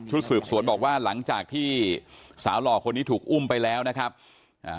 สืบสวนบอกว่าหลังจากที่สาวหล่อคนนี้ถูกอุ้มไปแล้วนะครับอ่า